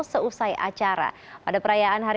seusai acara pada perayaan hari